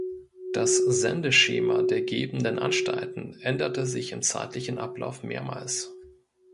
Das Sendeschema der gebenden Anstalten änderte sich im zeitlichen Ablauf mehrmals.